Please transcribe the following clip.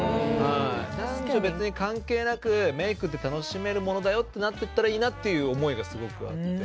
別に関係なくメイクって楽しめるものだよってなってったらいいなっていう思いがすごくあって。